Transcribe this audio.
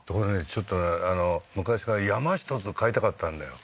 ちょっと昔から山１つ買いたかったんだよ